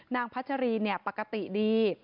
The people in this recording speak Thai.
นางพัชรีเนี่ยปกติดี